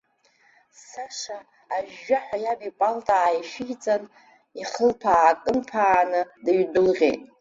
Саша, ажәжәаҳәа иаб ипалта ааишәиҵан, ихылԥа аакынԥааны дыҩдәылҟьеит.